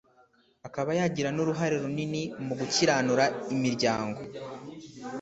akaba yagira n'uruhare runini mu gukiranura imiryango